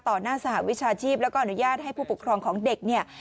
หน้าสหวิชาชีพแล้วก็อนุญาตให้ผู้ปกครองของเด็กเนี่ย